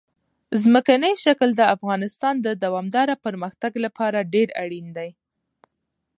ځمکنی شکل د افغانستان د دوامداره پرمختګ لپاره ډېر اړین دي.